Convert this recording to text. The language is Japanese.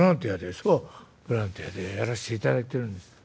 「そうボランティアでやらせていただいてるんです」。